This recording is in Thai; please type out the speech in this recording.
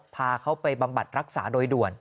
พาเขาไปบำบัดรักษาโดยด่วน